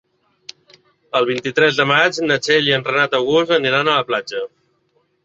El vint-i-tres de maig na Txell i en Renat August aniran a la platja.